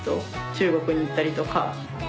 中国に行ったりとか。